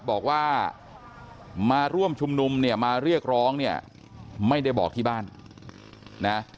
บอกว่ามาร่วมชุมนุมเนี่ยมาเรียกร้องเนี่ยไม่ได้บอกที่บ้านนะ